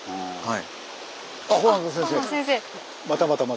はい。